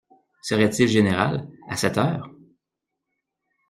Serait-il général, à cette heure?